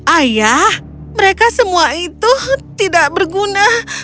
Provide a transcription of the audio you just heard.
ayah mereka semua itu tidak berguna